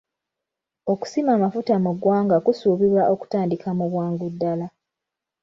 Okusima amafuta mu ggwanga kusuubirwa okutandika mu bwangu ddala.